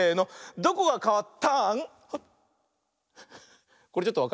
どこがかわった？